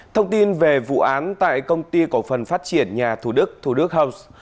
thông tin về vụ án tại công ty cổ phần phát triển nhà thủ đức thủ đức house